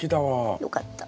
よかった。